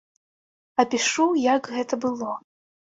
Апішу, як гэта было.